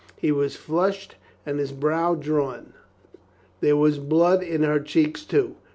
He was flushed and his brow drawn. There was blood in her cheeks too.